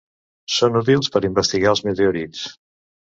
Són útils per investigar els meteorits.